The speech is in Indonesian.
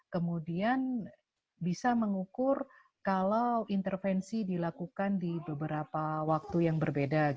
kemudian bisa mengukur kalau intervensi dilakukan di beberapa waktu yang berbeda